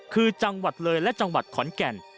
คือจังหวัดเลยและจังหวัดขอนแก่น